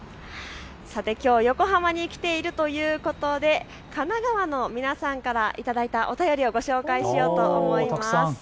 さて、きょう横浜に来ているということで神奈川の皆さんから頂いたお便りをご紹介しようと思います。